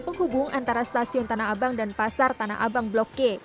penghubung antara stasiun tanah abang dan pasar tanah abang blok g